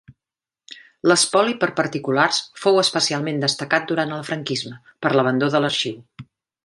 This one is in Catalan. L'espoli per particulars fou especialment destacat durant el franquisme, per l'abandó de l'arxiu.